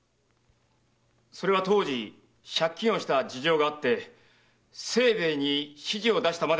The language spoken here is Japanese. それは当時借金をした事情があり清兵衛に指示を出したまで。